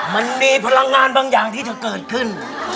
มันมีพลังงานบางอย่างที่จะเกิดขึ้น